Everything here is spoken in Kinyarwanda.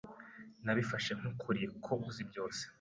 Nabifashe nk'ukuri ko uzi byose.